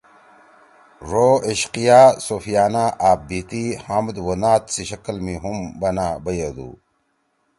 ڙو عشقیہ، صوفیانہ، آپ بیتی، حمد او نعت سی شکل می ہُم بنا بَیَدی۔